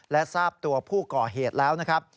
และทราบตัวผู้ก่อเหตุแล้วนะครับ